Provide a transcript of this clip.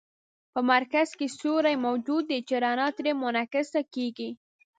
په مرکز کې سوری موجود دی چې رڼا ترې منعکسه کیږي.